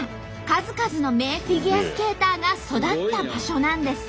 数々の名フィギュアスケーターが育った場所なんです。